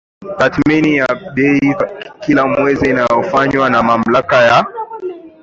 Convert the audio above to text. tathmini ya bei kila mwezi inayofanywa na Mamlaka ya